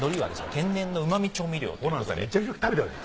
天然のうま味調味料。